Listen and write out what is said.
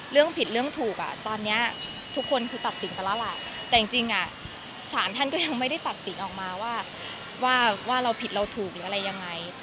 เรื่องผิดเรื่องถูกอ่ะตอนนี้ทุกคนคือตัดสินไปแล้วล่ะแต่จริงศาลท่านก็ยังไม่ได้ตัดสินออกมาว่าเราผิดเราถูกหรืออะไรยังไง